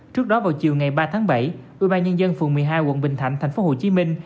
trước đó vào chiều ngày ba tháng bảy ubnd phường một mươi hai quận bình thạnh thành phố hồ chí minh